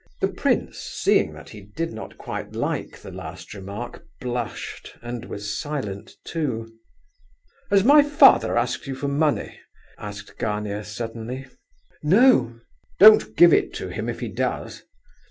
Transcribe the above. The prince, seeing that he did not quite like the last remark, blushed, and was silent too. "Has my father asked you for money?" asked Gania, suddenly. "No." "Don't give it to him if he does.